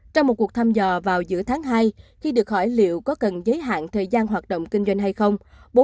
trong một cuộc thăm dò vào giữa tháng hai khi được hỏi liệu có cần giới hạn thời gian hoạt động kinh doanh hay không